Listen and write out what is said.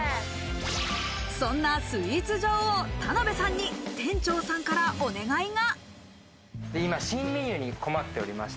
そんなスイーツ女王・田辺さんに店長さんからお願いが。